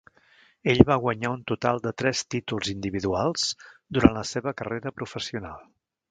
Ell va guanyar un total de tres títols individuals durant la seva carrera professional.